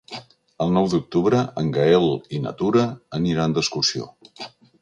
El nou d'octubre en Gaël i na Tura aniran d'excursió.